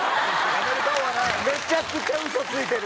めちゃくちゃウソついてる。